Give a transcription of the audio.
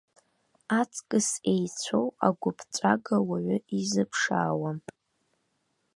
Аҵкыс еицәоу агәыԥҵәага уаҩы изыԥшаауам!